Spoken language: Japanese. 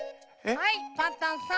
はいパンタンさん。